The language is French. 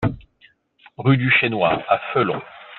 Rue du Chénois à Felon